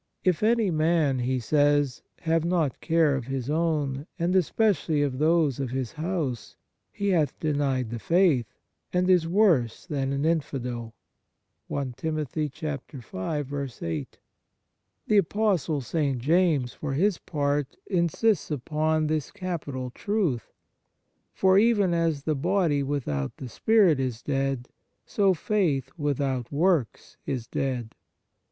" If any man," he says, " have not care of his own, and especi ally of those of his house, he hath denied the faith, and is worse than an infidel." f The Apostle St. James, for his part, insists upon this capital truth :" For even as the body without the spirit is dead, so faith without works is dead."